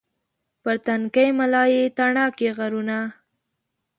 پر تنکۍ ملا یې تڼاکې غرونه